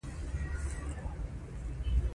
د نفوس کره شمېر د دې پېښو څرګندونه کوي